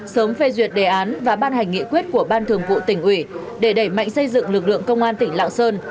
sớm phê duyệt đề án và ban hành nghị quyết của ban thường vụ tỉnh ủy để đẩy mạnh xây dựng lực lượng công an tỉnh lạng sơn